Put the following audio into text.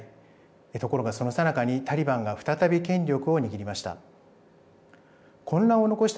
ところが、そのさなかにタリバンが再び権力を握りました。